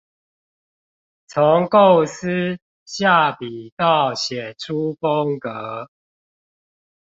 從構思、下筆到寫出風格